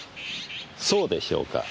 そうでしょうか？